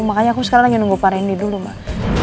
makanya aku sekarang nunggu pari ini dulu mbak